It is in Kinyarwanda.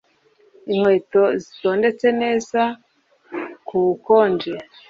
inkweto zitondetse neza kubukonje